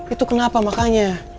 itu kenapa makanya